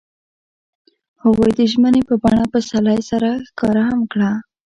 هغوی د ژمنې په بڼه پسرلی سره ښکاره هم کړه.